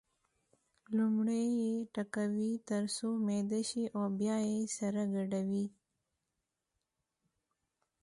لومړی یې ټکوي تر څو میده شي او بیا یې سره ګډوي.